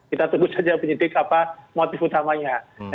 kita tunggu saja penyidik apa motif utamanya